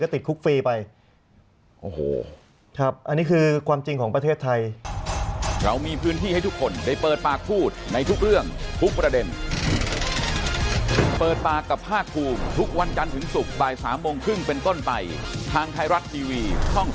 ติดคุกฟรีไปโอ้โหครับอันนี้คือความจริงของประเทศไทย